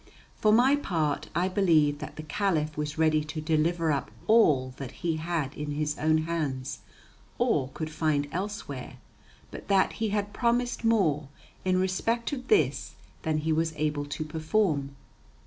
For my part, I believe that the Caliph was ready to deliver up all that he had in his own hands or could find elsewhere, but that he had promised more in respect of this than he was able to perform.